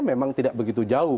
memang tidak begitu jauh